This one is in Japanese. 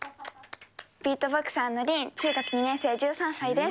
ビートボクサーのリン、中学２年生、１３歳です。